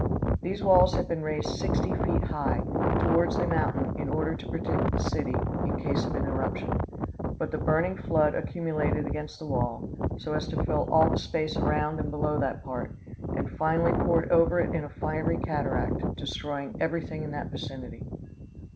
These walls had been raised sixty feet high, towards the mountain, in order to protect the city, in case of an eruption. But the burning flood accumulated against the wall, so as to fill all the space around and below that part, and finally poured over it in a fiery cataract, destroying every thing in that vicinity.